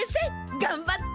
がんばって！